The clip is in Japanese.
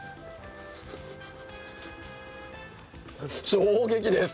衝撃です。